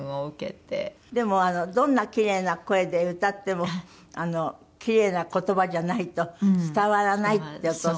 でもあの「どんなキレイな声で歌ってもキレイな言葉じゃないと伝わらない」ってお父様。